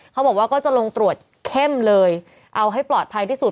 เขาบอกว่าก็จะลงตรวจเข้มเลยเอาให้ปลอดภัยที่สุด